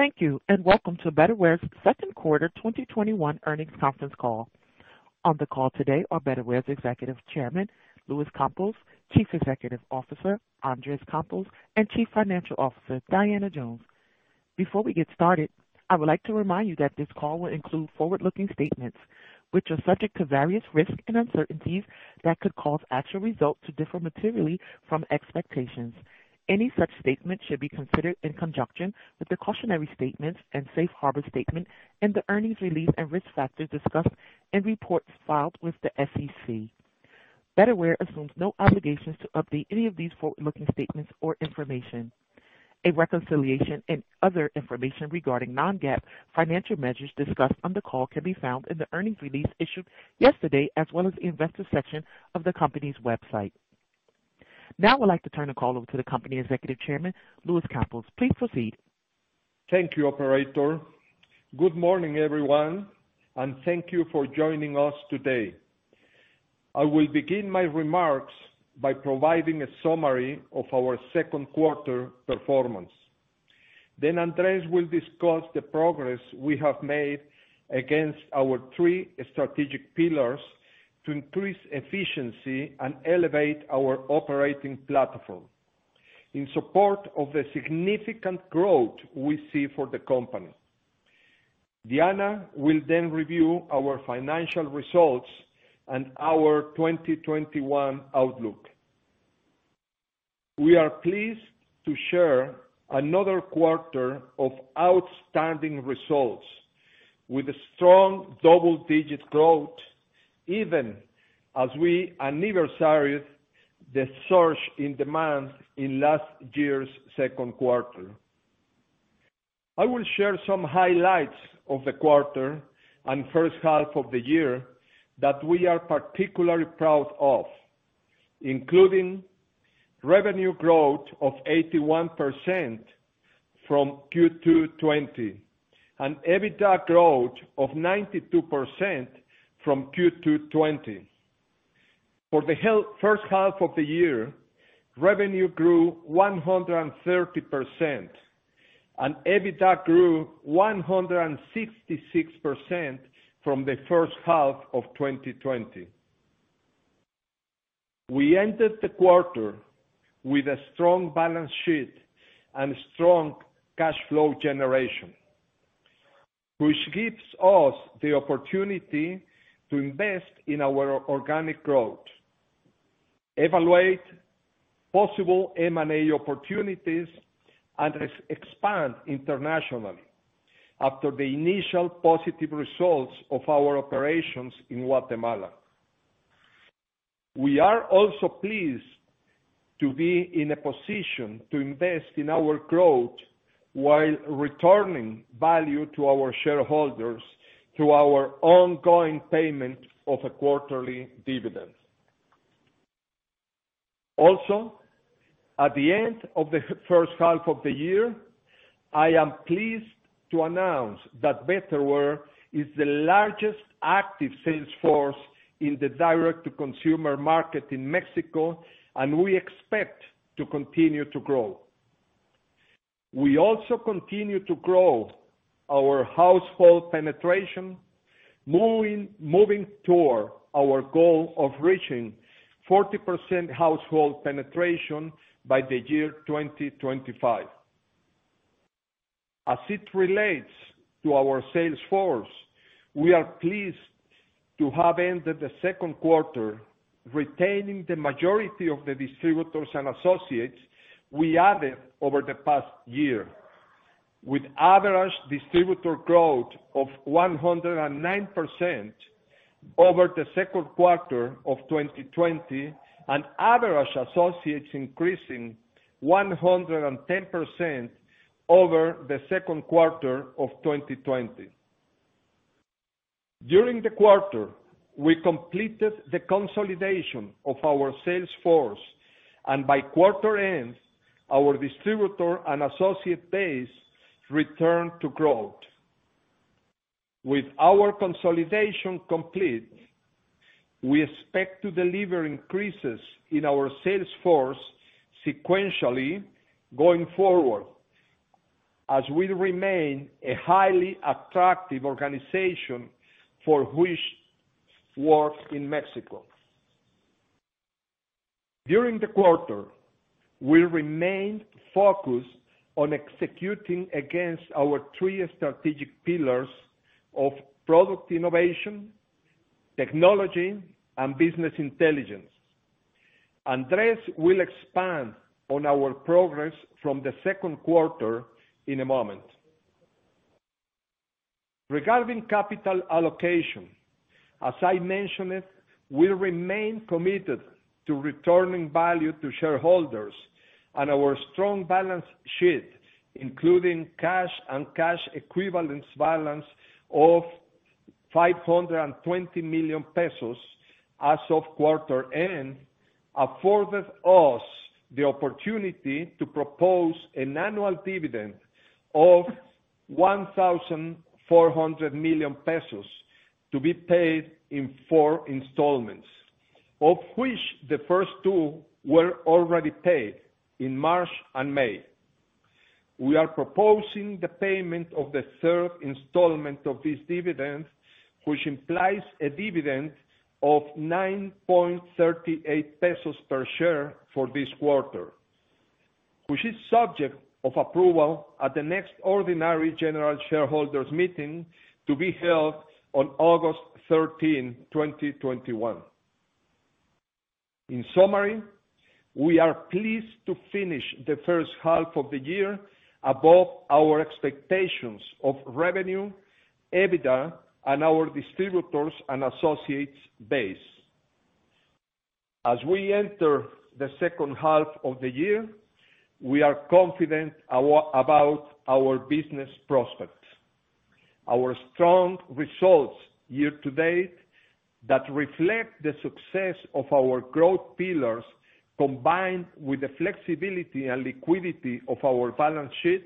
Thank you, welcome to Betterware's Second Quarter 2021 Earnings Conference Call. On the call today are Betterware's Executive Chairman, Luis Campos, Chief Executive Officer, Andres Campos, and Chief Financial Officer, Diana Jones. Before we get started, I would like to remind you that this call will include forward-looking statements, which are subject to various risks and uncertainties that could cause actual results to differ materially from expectations. Any such statements should be considered in conjunction with the cautionary statements and safe harbor statement in the earnings release and risk factors discussed in reports filed with the SEC. Betterware assumes no obligations to update any of these forward-looking statements or information. A reconciliation and other information regarding non-GAAP financial measures discussed on the call can be found in the earnings release issued yesterday, as well as the investor section of the company's website. Now I'd like to turn the call over to the company Executive Chairman, Luis Campos. Please proceed. Thank you, operator. Good morning, everyone, and thank you for joining us today. I will begin my remarks by providing a summary of our second quarter performance. Andres will discuss the progress we have made against our three strategic pillars to increase efficiency and elevate our operating platform in support of the significant growth we see for the company. Diana will review our financial results and our 2021 outlook. We are pleased to share another quarter of outstanding results with strong double-digit growth, even as we anniversaried the surge in demand in last year's second quarter. I will share some highlights of the quarter and first half of the year that we are particularly proud of, including revenue growth of 81% from Q2 2020, and EBITDA growth of 92% from Q2 2020. For the first half of the year, revenue grew 130%, and EBITDA grew 166% from the first half of 2020. We ended the quarter with a strong balance sheet and strong cash flow generation, which gives us the opportunity to invest in our organic growth, evaluate possible M&A opportunities, and expand internationally after the initial positive results of our operations in Guatemala. We are also pleased to be in a position to invest in our growth while returning value to our shareholders through our ongoing payment of a quarterly dividend. At the end of the first half of the year, I am pleased to announce that Betterware is the largest active sales force in the direct-to-consumer market in Mexico, and we expect to continue to grow. We also continue to grow our household penetration, moving toward our goal of reaching 40% household penetration by the year 2025. As it relates to our sales force, we are pleased to have ended the second quarter retaining the majority of the distributors and associates we added over the past year. With average distributor growth of 109% over the second quarter of 2020, and average associates increasing 110% over the second quarter of 2020. During the quarter, we completed the consolidation of our sales force, and by quarter's end, our distributor and associate base returned to growth. With our consolidation complete, we expect to deliver increases in our sales force sequentially going forward as we remain a highly attractive organization for which works in Mexico. During the quarter, we remained focused on executing against our three strategic pillars of product innovation, technology, and business intelligence. Andres will expand on our progress from the second quarter in a moment. Regarding capital allocation, as I mentioned it, we remain committed to returning value to shareholders and our strong balance sheet, including cash and cash equivalents balance of 520 million pesos as of quarter end, afforded us the opportunity to propose an annual dividend of 1,400 million pesos to be paid in four installments. Of which the first two were already paid in March and May. We are proposing the payment of the third installment of this dividend, which implies a dividend of 9.38 pesos per share for this quarter, which is subject of approval at the next ordinary general shareholders' meeting to be held on August 13, 2021. In summary, we are pleased to finish the first half of the year above our expectations of revenue, EBITDA, and our distributors and associates' base. As we enter the second half of the year, we are confident about our business prospects. Our strong results year to date that reflect the success of our growth pillars, combined with the flexibility and liquidity of our balance sheet,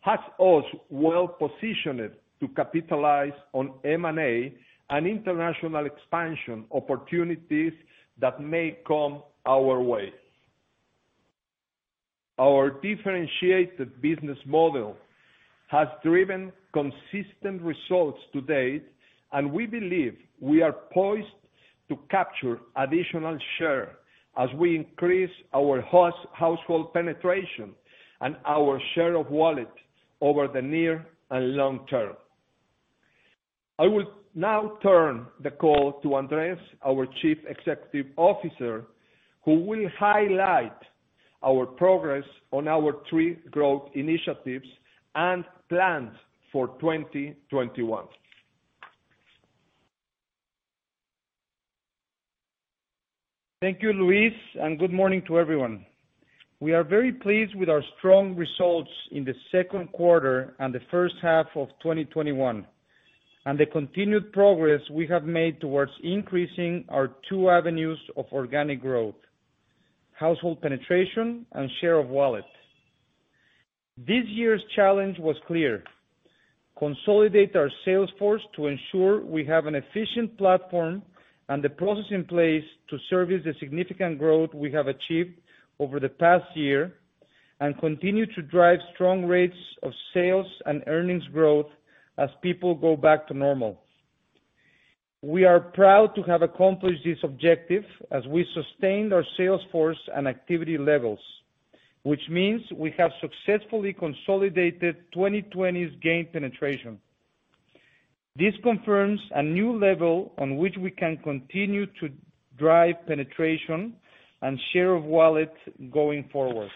have us well-positioned to capitalize on M&A and international expansion opportunities that may come our way. We believe we are poised to capture additional share as we increase our household penetration and our share of wallet over the near and long term. I will now turn the call to Andres, our Chief Executive Officer, who will highlight our progress on our three growth initiatives and plans for 2021. Thank you, Luis, and good morning to everyone. We are very pleased with our strong results in the second quarter and the first half of 2021, and the continued progress we have made towards increasing our two avenues of organic growth, household penetration, and share of wallet. This year's challenge was clear: consolidate our sales force to ensure we have an efficient platform and the process in place to service the significant growth we have achieved over the past year and continue to drive strong rates of sales and earnings growth as people go back to normal. We are proud to have accomplished this objective as we sustained our sales force and activity levels, which means we have successfully consolidated 2020 gains in penetration. This confirms a new level at which we can continue to drive penetration and share of wallet going forward.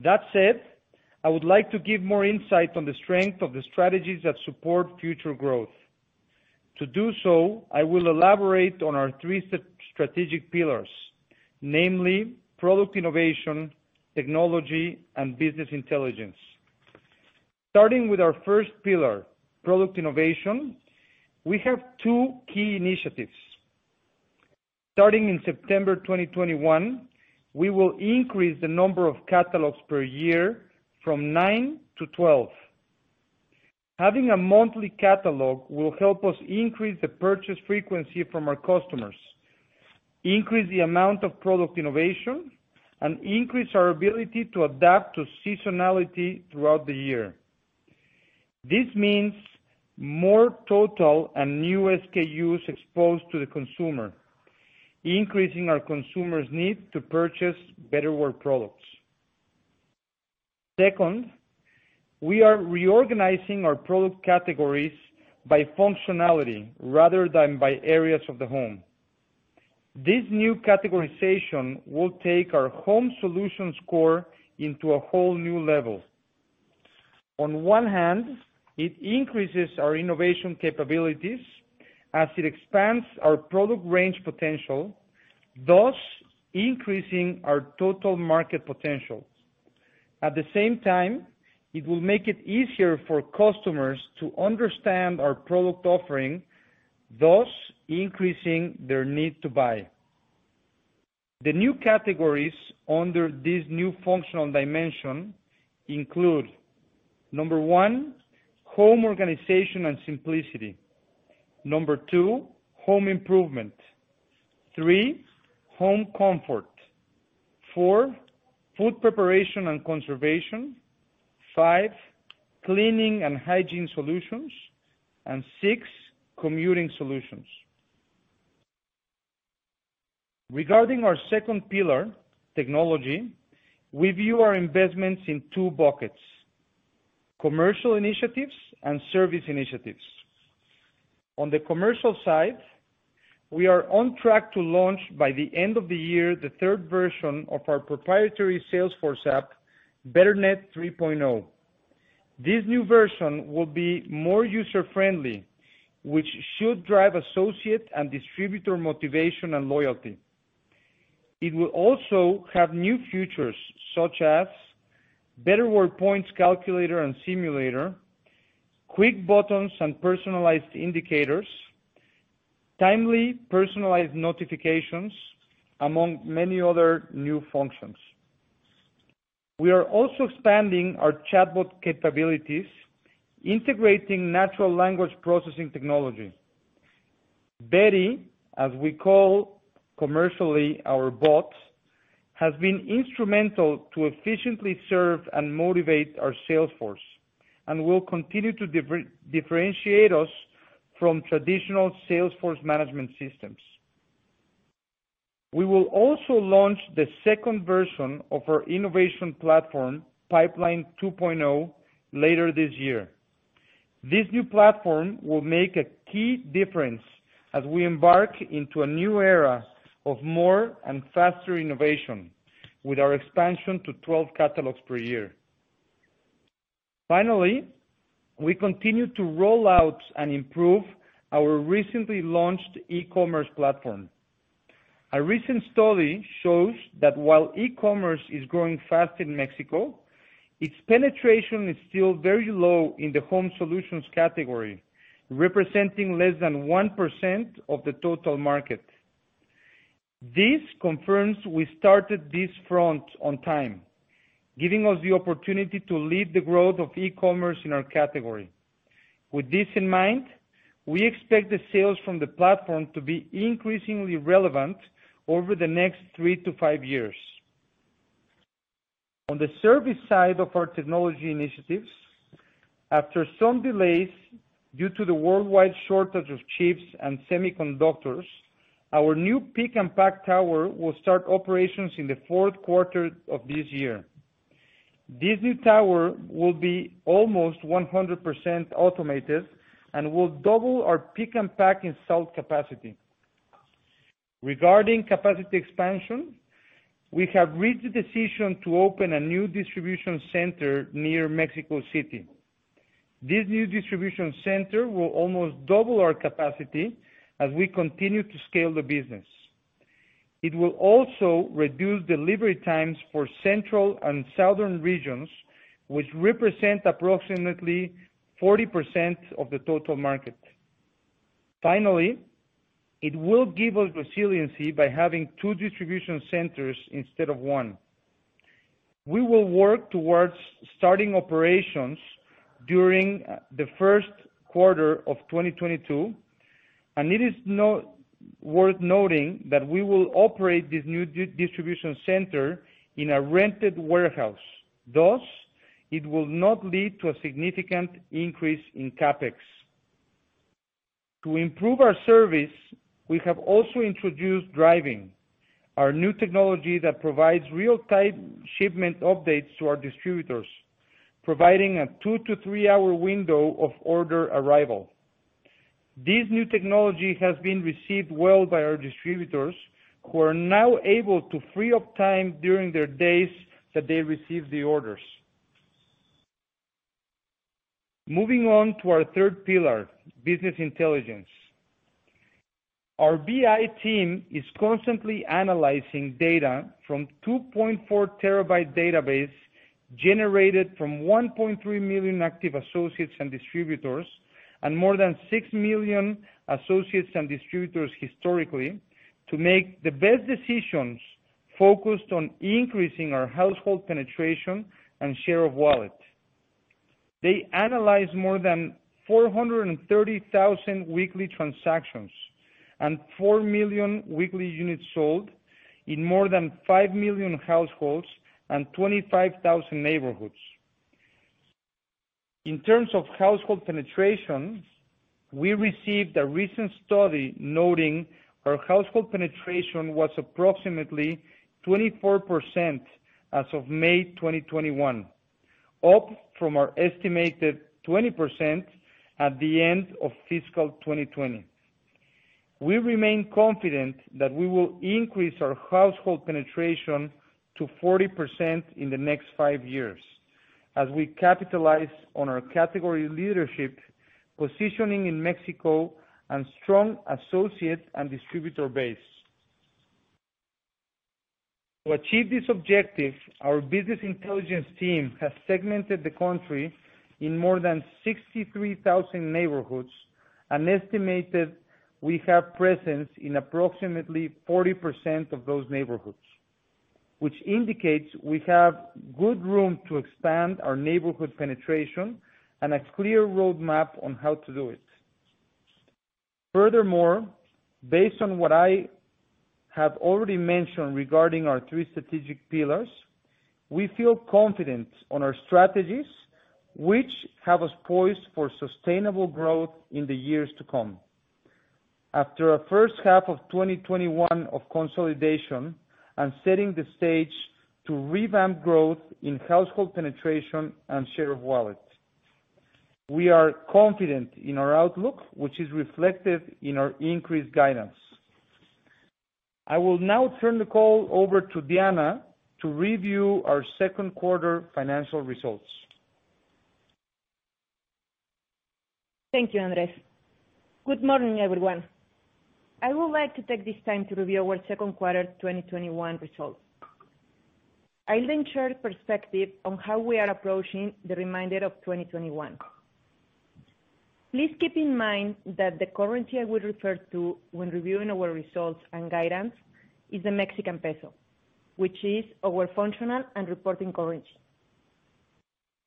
That said, I would like to give more insight on the strength of the strategies that support future growth. To do so, I will elaborate on our three strategic pillars, namely product innovation, technology, and business intelligence. Starting with our first pillar, product innovation, we have two key initiatives. Starting in September 2021, we will increase the number of catalogs per year from nine-12. Having a monthly catalog will help us increase the purchase frequency from our customers, increase the amount of product innovation, and increase our ability to adapt to seasonality throughout the year. This means more total and new SKUs exposed to the consumer, increasing our consumers' need to purchase Betterware products. Second, we are reorganizing our product categories by functionality rather than by areas of the home. This new categorization will take our home solution score into a whole new level. On one hand, it increases our innovation capabilities as it expands our product range potential, thus increasing our total market potential. At the same time, it will make it easier for customers to understand our product offering, thus increasing their need to buy. The new categories under this new functional dimension include number one, home organization and simplicity. Number two, home improvement. Three, home comfort. Four, food preparation and conservation. Five, cleaning and hygiene solutions, and six, commuting solutions. Regarding our second pillar, technology, we view our investments in two buckets, commercial initiatives and service initiatives. On the commercial side, we are on track to launch by the end of the year, the third version of our proprietary sales force app, Betternet 3.0. This new version will be more user-friendly, which should drive associate and distributor motivation and loyalty. It will also have new features, such as Betterware points calculator and simulator, quick buttons and personalized indicators, timely personalized notifications, among many other new functions. We are also expanding our chatbot capabilities, integrating natural language processing technology. Betty, as we call commercially our bot, has been instrumental to efficiently serve and motivate our sales force, and will continue to differentiate us from traditional sales force management systems. We will also launch the second version of our innovation platform, Pipeline 2.0, later this year. This new platform will make a key difference as we embark into a new era of more and faster innovation with our expansion to 12 catalogs per year. Finally, we continue to roll out and improve our recently launched e-commerce platform. A recent study shows that while e-commerce is growing fast in Mexico, its penetration is still very low in the home solutions category, representing less than 1% of the total market. This confirms we started this front on time, giving us the opportunity to lead the growth of e-commerce in our category. With this in mind, we expect the sales from the platform to be increasingly relevant over the next three-five years. On the service side of our technology initiatives, after some delays due to the worldwide shortage of chips and semiconductors, our new pick and pack tower will start operations in the fourth quarter of this year. This new tower will be almost 100% automated and will double our pick and pack and sell capacity. Regarding capacity expansion, we have reached the decision to open a new distribution center near Mexico City. This new distribution center will almost double our capacity as we continue to scale the business. It will also reduce delivery times for central and southern regions, which represent approximately 40% of the total market. Finally, it will give us resiliency by having two distribution centers instead of one. We will work towards starting operations during the first quarter of 2022, and it is worth noting that we will operate this new distribution center in a rented warehouse, thus, it will not lead to a significant increase in CapEx. To improve our service, we have also introduced Drivin, our new technology that provides real-time shipment updates to our distributors, providing a two-three hour window of order arrival. This new technology has been received well by our distributors, who are now able to free up time during their days that they receive the orders. Moving on to our third pillar, business intelligence. Our BI team is constantly analyzing data from a 2.4-TB Database generated from 1.3 million active associates and distributors and more than 6 million associates and distributors historically, to make the best decisions focused on increasing our household penetration and share of wallet. They analyze more than 430,000 weekly transactions and 4 million weekly units sold in more than 5 million households and 25,000 neighborhoods. In terms of household penetration, we received a recent study noting our household penetration was approximately 24% as of May 2021, up from our estimated 20% at the end of fiscal 2020. We remain confident that we will increase our household penetration to 40% in the next five years as we capitalize on our category leadership positioning in Mexico and strong associate and distributor base. To achieve this objective, our business intelligence team has segmented the country in more than 63,000 neighborhoods and estimated we have presence in approximately 40% of those neighborhoods, which indicates we have good room to expand our neighborhood penetration and a clear roadmap on how to do it. Based on what I have already mentioned regarding our three strategic pillars, we feel confident on our strategies, which have us poised for sustainable growth in the years to come. After our first half of 2021 of consolidation and setting the stage to revamp growth in household penetration and share of wallet, we are confident in our outlook, which is reflected in our increased guidance. I will now turn the call over to Diana to review our second-quarter financial results. Thank you, Andres. Good morning, everyone. I would like to take this time to review our second quarter 2021 results. I'll share perspective on how we are approaching the remainder of 2021. Please keep in mind that the currency I will refer to when reviewing our results and guidance is the Mexican peso, which is our functional and reporting currency.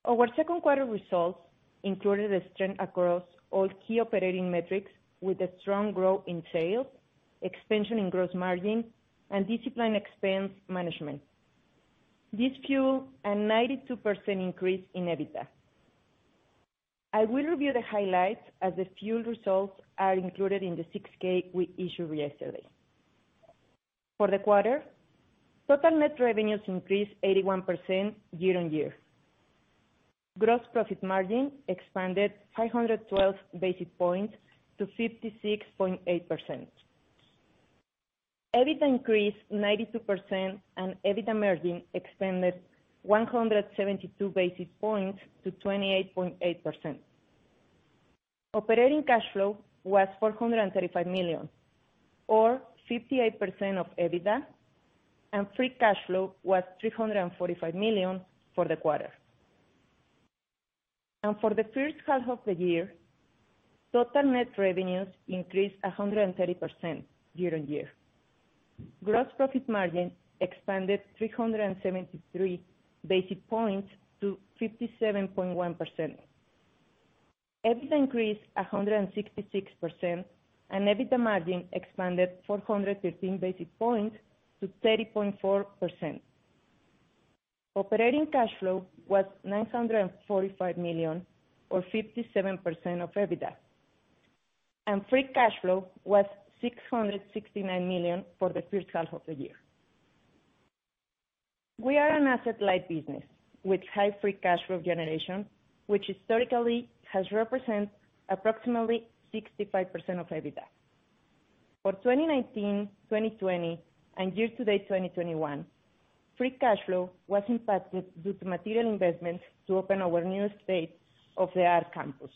Our second quarter results included a strength across all key operating metrics, with a strong growth in sales, expansion in gross margin, and disciplined expense management. This fueled a 92% increase in EBITDA. I will review the highlights as the full results are included in the Form 6-K we issued yesterday. For the quarter, total net revenues increased 81% year-on-year. Gross profit margin expanded 512 basis points to 56.8%. EBITDA increased 92%, EBITDA margin expanded 172 basis points to 28.8%. Operating cash flow was 435 million, or 58% of EBITDA, and free cash flow was 345 million for the quarter. For the first half of the year, total net revenues increased 130% year-over-year. Gross profit margin expanded 373 basis points to 57.1%. EBITDA increased 166%, and EBITDA margin expanded 413 basis points to 30.4%. Operating cash flow was 945 million, or 57% of EBITDA, and free cash flow was 669 million for the first half of the year. We are an asset-light business with high free cash flow generation, which historically has represented approximately 65% of EBITDA. For 2019, 2020, and year-to-date 2021, free cash flow was impacted due to material investments to open our new state-of-the-art campus.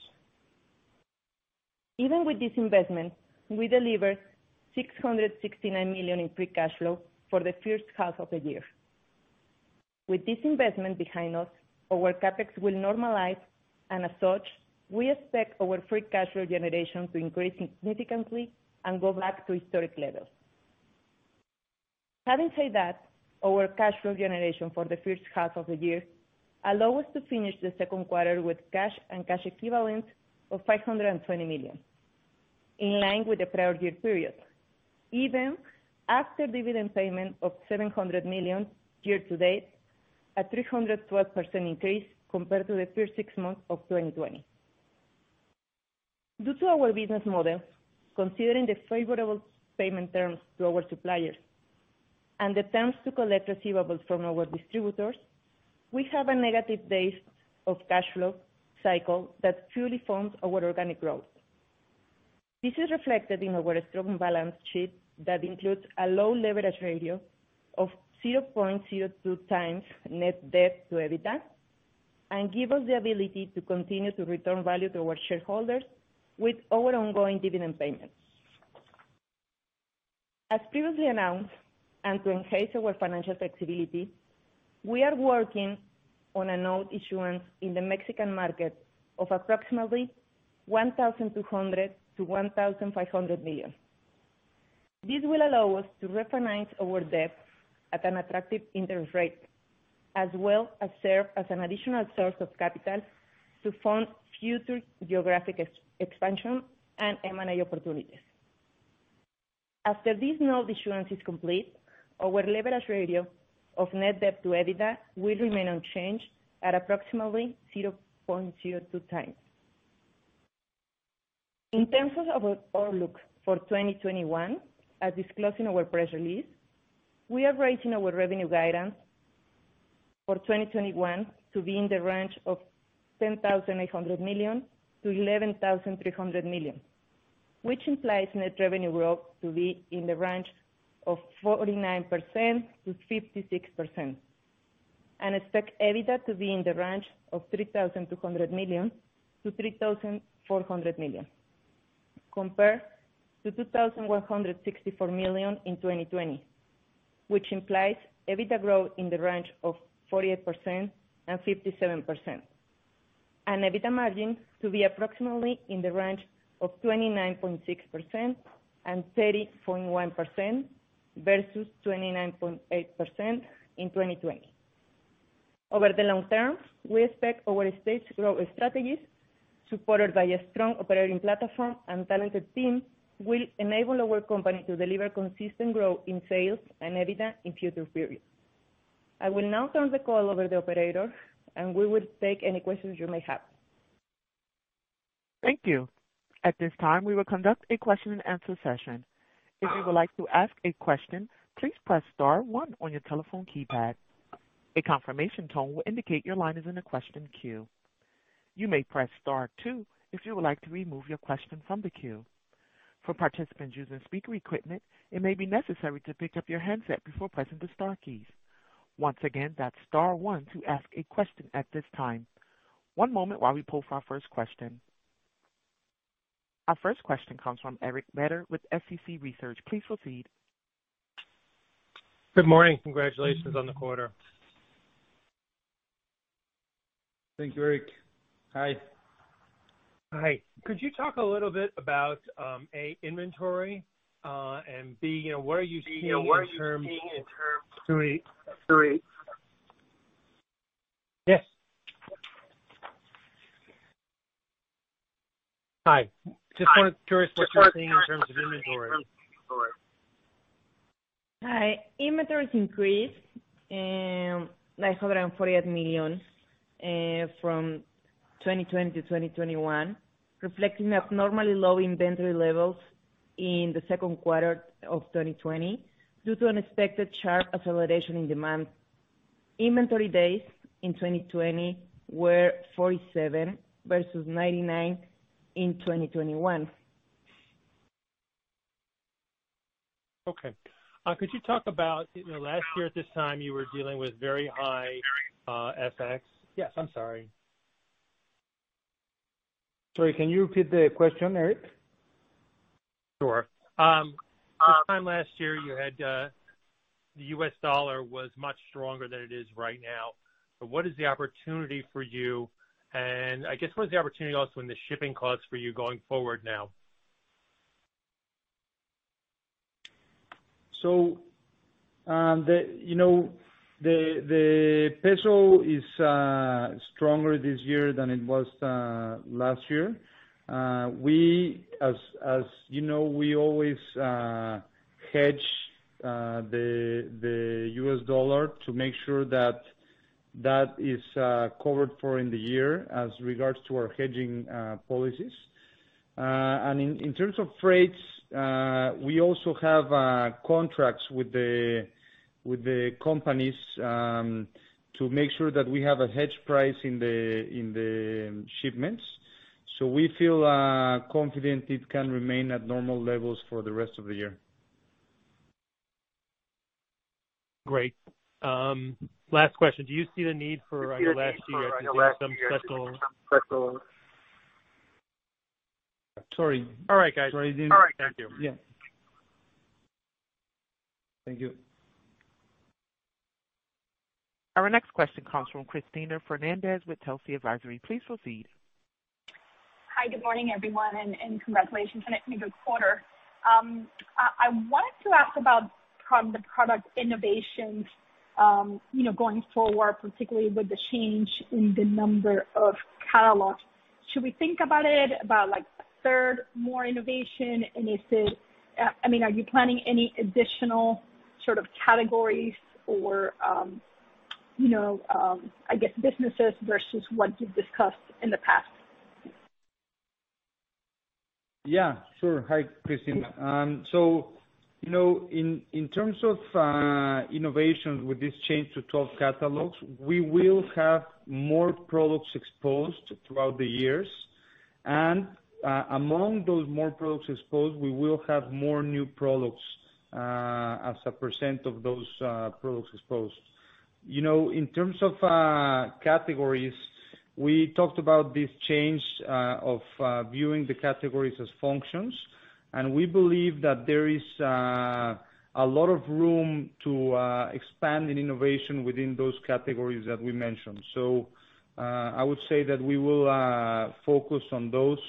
Even with this investment, we delivered 669 million in free cash flow for the first half of the year. With this investment behind us, our CapEx will normalize, and as such, we expect our free cash flow generation to increase significantly and go back to historic levels. Having said that, our cash flow generation for the first half of the year allows us to finish the second quarter with cash and cash equivalents of 520 million, in line with the prior year period, even after dividend payment of 700 million year-to-date, a 312% increase compared to the first six months of 2020. Due to our business model, considering the favorable payment terms to our suppliers and the terms to collect receivables from our distributors, we have a negative days of cash flow cycle that truly forms our organic growth. This is reflected in our strong balance sheet that includes a low leverage ratio of 0.02 times net debt to EBITDA and gives us the ability to continue to return value to our shareholders with our ongoing dividend payments. As previously announced, and to enhance our financial flexibility, we are working on a note issuance in the Mexican market of approximately 1,200 million-1,500 million. This will allow us to refinance our debt at an attractive interest rate, as well as serve as an additional source of capital to fund future geographic expansion and M&A opportunities. After this note issuance is complete, our leverage ratio of net debt to EBITDA will remain unchanged at approximately 0.02 times. In terms of our outlook for 2021, as disclosed in our press release, we are raising our revenue guidance for 2021 to be in the range of 10,800 million-11,300 million, which implies net revenue growth to be in the range of 49%-56%, and expect EBITDA to be in the range of 3,200 million-3,400 million, compared to 2,164 million in 2020, which implies EBITDA growth in the range of 48% and 57%, and EBITDA margin to be approximately in the range of 29.6% and 30.1% versus 29.8% in 2020. Over the long term, we expect our stage growth strategies, supported by a strong operating platform and talented team, will enable our company to deliver consistent growth in sales and EBITDA in future periods. I will now turn the call over to the operator, and we will take any questions you may have. Thank you. At this time, we will conduct a question-and-answer session. If you would like to ask a question, please press star one on your telephone keypad. A confirmation tone will indicate your line is in the question queue. You may press star two if you would like to remove your question from the queue. For participants using speaker equipment, it may be necessary to pick up your handset before pressing the star keys. Once again, that's star one to ask a question at this time. One moment while we poll for our first question. Our first question comes from Eric Beder with SCC Research. Please proceed. Good morning. Congratulations on the quarter. Thank you, Eric. Hi. Hi. Could you talk a little bit about, A, inventory, and B, where are you seeing in terms of. Yes. Hi. Hi. Just wanted to hear what you're seeing in terms of inventory. Hi. Inventories increased, like 148 million from 2020-2021, reflecting abnormally low inventory levels in the second quarter of 2020 due to unexpected sharp acceleration in demand. Inventory days in 2020 were 47 versus 99 in 2021. Okay. Could you talk about, last year at this time you were dealing with very high FX. Yes, I'm sorry. Sorry, can you repeat the question, Eric? Sure. This time last year, the U.S. dollar was much stronger than it is right now. What is the opportunity for you, and I guess what is the opportunity also in the shipping costs for you going forward now? The peso is stronger this year than it was last year. As you know, we always hedge the U.S. dollar to make sure that is covered for in the year as regards to our hedging policies. In terms of freights, we also have contracts with the companies to make sure that we have a hedge price in the shipments. We feel confident it can remain at normal levels for the rest of the year. Great. Last question. Do you see the need for, like last year- Sorry. All right, guys. Sorry. Thank you. Yeah. Thank you. Our next question comes from Cristina Fernández with Telsey Advisory. Please proceed. Hi. Good morning, everyone. Congratulations on a good quarter. I wanted to ask about the product innovations, going forward, particularly with the change in the number of catalogs. Should we think about it, about a third more innovation? Are you planning any additional sort of categories or, I guess, businesses versus what you've discussed in the past? Yeah, sure. Hi, Cristina. In terms of innovations with this change to 12 catalogs, we will have more products exposed throughout the years. Among those more products exposed, we will have more new products, as a percent of those products exposed. In terms of categories, we talked about this change of viewing the categories as functions, and we believe that there is a lot of room to expand in innovation within those categories that we mentioned. I would say that we will focus on those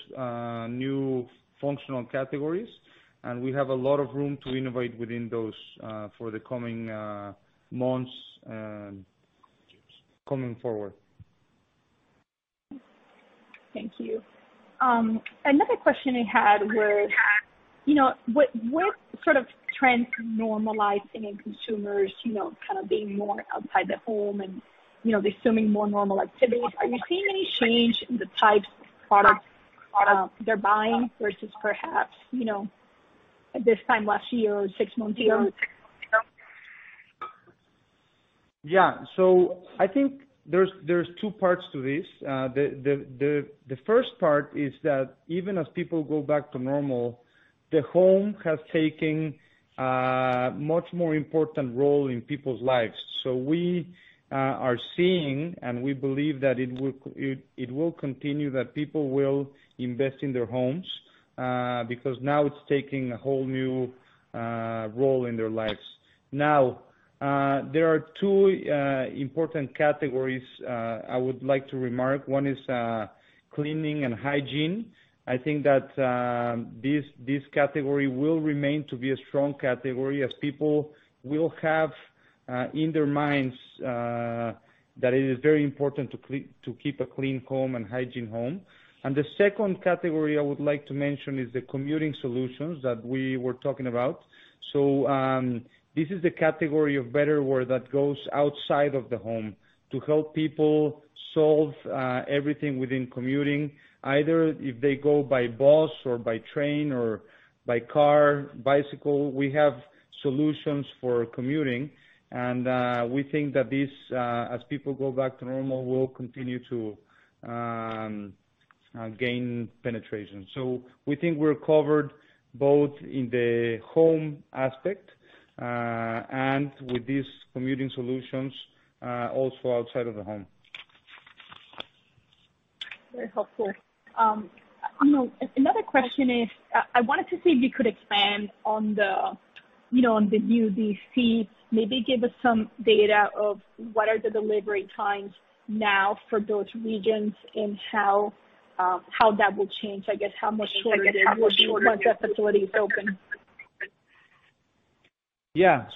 new functional categories, and we have a lot of room to innovate within those for the coming months and coming forward. Thank you. Another question I had was, with sort of trends normalizing and consumers kind of being more outside the home and resuming more normal activities, are you seeing any change in the types of products they're buying versus perhaps this time last year or six months ago? I think there are two parts to this. The first part is that even as people go back to normal, the home has taken a much more important role in people's lives. We are seeing, and we believe that it will continue, that people will invest in their homes, because now it's taking a whole new role in their lives. There are two important categories I would like to remark. 1 is cleaning and hygiene. I think that this category will remain to be a strong category as people will have in their minds that it is very important to keep a clean home and hygiene home. The second category I would like to mention is the commuting solutions that we were talking about. This is a category of Betterware that goes outside of the home to help people solve everything within commuting, either if they go by bus or by train or by car, bicycle. We have solutions for commuting, and we think that this, as people go back to normal, will continue to gain penetration. We think we're covered both in the home aspect and with these commuting solutions, also outside of the home. Very helpful. Another question is, I wanted to see if you could expand on the new DC, maybe give us some data of what are the delivery times now for both regions and how that will change, I guess how much shorter it will be once that facility is open. Yeah.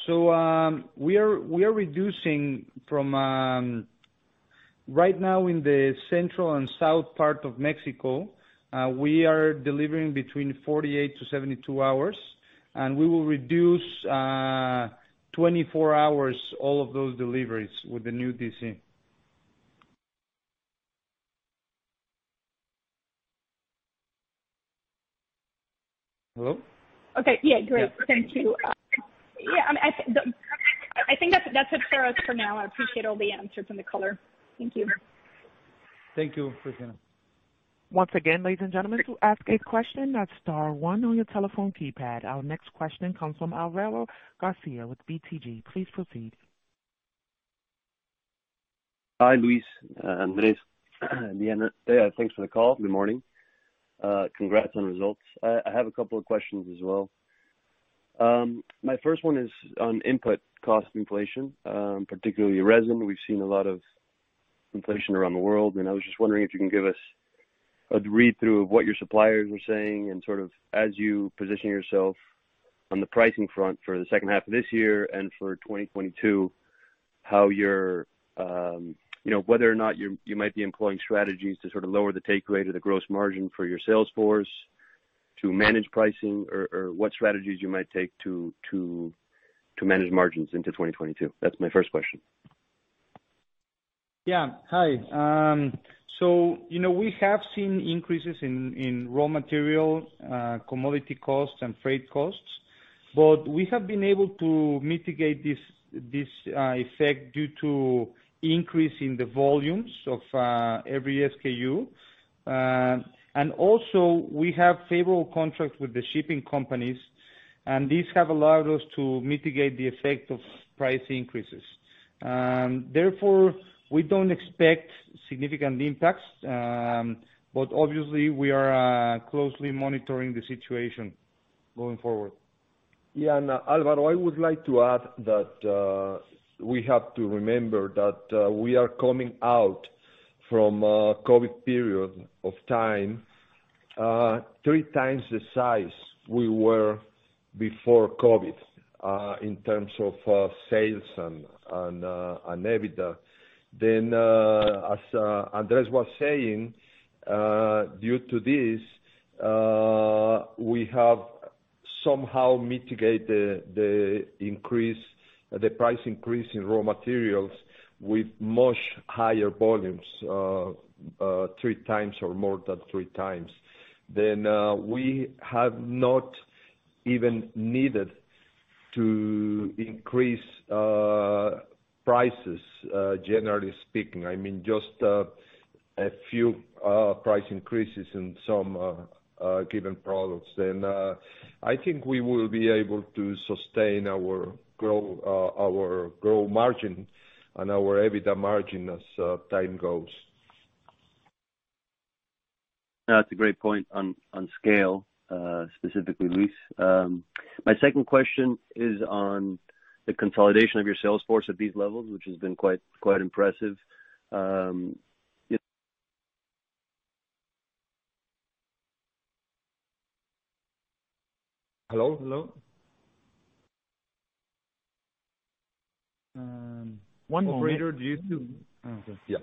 We are reducing. Right now in the central and south part of Mexico, we are delivering between 48-72 hours, and we will reduce 24 hours all of those deliveries with the new DC. Hello? Okay. Yeah, great. Thank you. I think that's it for us for now. I appreciate all the answers and the color. Thank you. Thank you, Cristina. Once again, ladies and gentlemen, to ask a question, that's star one on your telephone keypad. Our next question comes from Alvaro Garcia with BTG. Please proceed. Hi, Luis, Andres, Diana. Thanks for the call. Good morning. Congrats on results. I have a couple of questions as well. My first one is on input cost inflation, particularly resin. We've seen a lot of inflation around the world, and I was just wondering if you can give us a read-through of what your suppliers are saying and sort of as you position yourself on the pricing front for the second half of this year and for 2022, whether or not you might be employing strategies to sort of lower the take rate or the gross margin for your sales force to manage pricing or what strategies you might take to manage margins into 2022? That's my first question. Yeah. Hi. We have seen increases in raw material, commodity costs, and freight costs. We have been able to mitigate this effect due to increase in the volumes of every SKU. We have favorable contracts with the shipping companies, and these have allowed us to mitigate the effect of price increases. We don't expect significant impacts. Obviously, we are closely monitoring the situation going forward. Yeah. Alvaro, I would like to add that we have to remember that we are coming out from a COVID period of time, three times the size we were before COVID, in terms of sales and EBITDA. As Andres was saying, due to this, we have somehow mitigated the price increase in raw materials with much higher volumes, three times or more than three times. We have not even needed to increase prices, generally speaking. I mean, just a few price increases in some given products. I think we will be able to sustain our gross margin and our EBITDA margin as time goes. That's a great point on scale, specifically, Luis. My second question is on the consolidation of your sales force at these levels, which has been quite impressive. Hello? Hello? One operator, Okay. Yeah.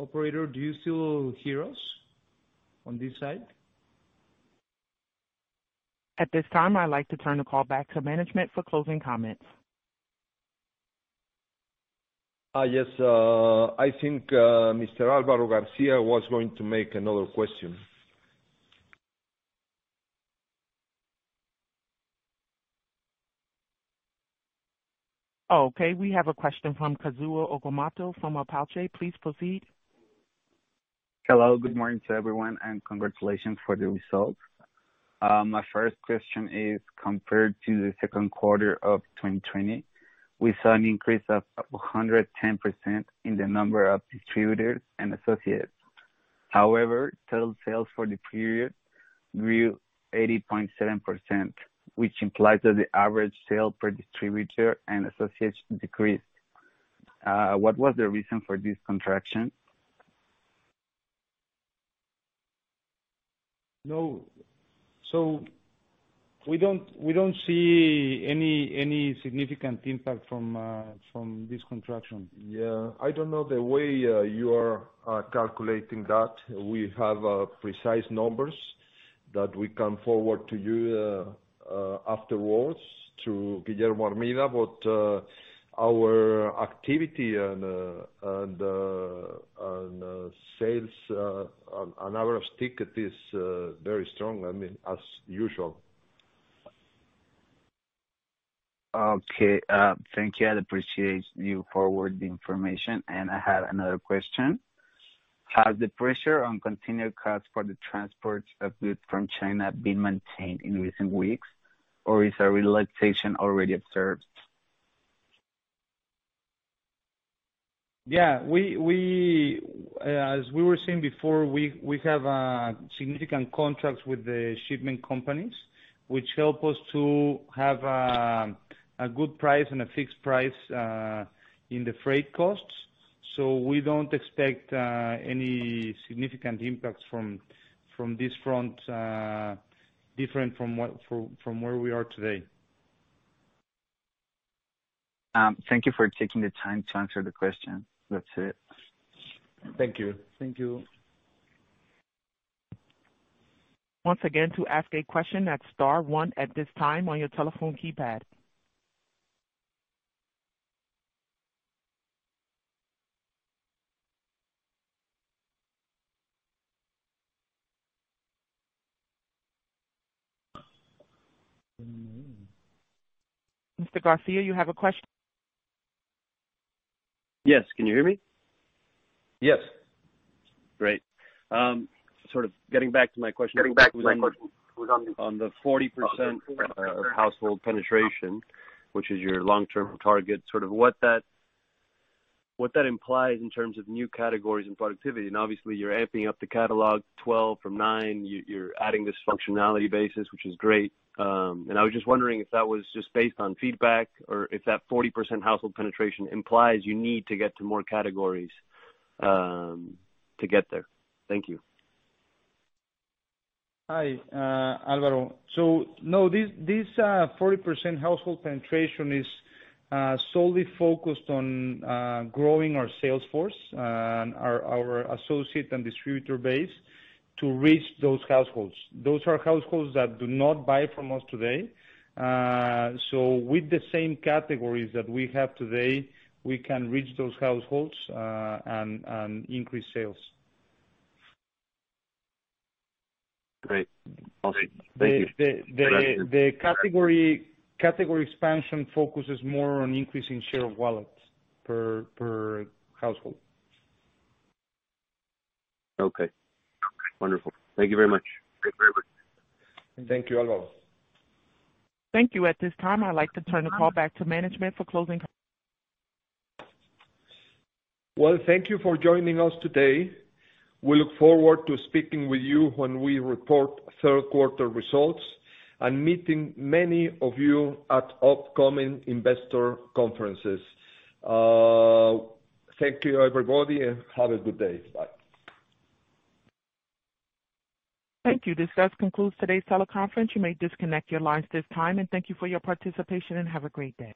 Operator, do you still hear us on this side? At this time, I'd like to turn the call back to management for closing comments. Yes. I think Mr. Alvaro Garcia was going to make another question. Okay. We have a question from Kazuo Okamoto from Apalache. Please proceed. Hello. Good morning to everyone, and congratulations for the results. My first question is, compared to the second quarter of 2020, we saw an increase of 110% in the number of distributors and associates. However, total sales for the period grew 80.7%, which implies that the average sales per distributor and associates decreased. What was the reason for this contraction? We don't see any significant impact from this contraction. Yeah. I don't know the way you are calculating that. We have precise numbers that we come forward to you afterwards, to Guillermo Armida. Our activity and sales on average ticket are very strong. I mean, as usual. Okay. Thank you. I'd appreciate you forward the information. I have another question. Has the pressure on continued cost for the transport of goods from China been maintained in recent weeks, or is a relaxation already observed? Yeah. As we were saying before, we have significant contracts with the shipment companies, which help us to have a good price and a fixed price in the freight costs. We don't expect any significant impacts from this front, different from where we are today. Thank you for taking the time to answer the question. That's it. Thank you. Thank you. Once again, to ask a question, that's star one at this time on your telephone keypad. Mr. Garcia, you have a question? Yes. Can you hear me? Yes. Great. Sort of getting back to my question on the 40% household penetration, which is your long-term target, sort of what that implies in terms of new categories and productivity, and obviously, you're amping up the catalog 12 from nine, you're adding this functionality basis, which is great. I was just wondering if that was just based on feedback or if that 40% household penetration implies you need to get to more categories to get there. Thank you. Hi, Alvaro. No, this 40% household penetration is solely focused on growing our sales force and our associate and distributor base to reach those households. Those are households that do not buy from us today. With the same categories that we have today, we can reach those households and increase sales. Great. Awesome. Thank you. The category expansion focuses more on increasing share of wallet per household. Okay. Wonderful. Thank you very much. Thank you, Alvaro. Thank you. At this time, I'd like to turn the call back to management for closing comments. Well, thank you for joining us today. We look forward to speaking with you when we report third-quarter results and meeting many of you at upcoming investor conferences. Thank you, everybody, and have a good day. Bye. Thank you. This does conclude today's teleconference. You may disconnect your lines at this time, and thank you for your participation, and have a great day.